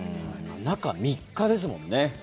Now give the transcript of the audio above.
中３日ですもんね。